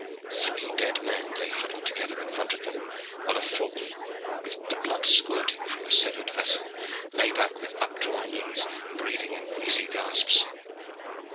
Three dead men lay huddled together in front of them: while a fourth, with the blood squirting from a severed vessel, lay back with updrawn knees, breathing in wheezy gasps.